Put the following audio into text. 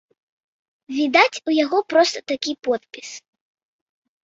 Відаць, у яго проста такі подпіс.